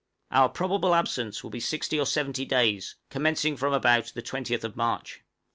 Our probable absence will be sixty or seventy days, commencing from about the 20th March.